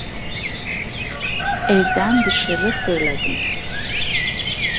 Evden dışarı fırladım.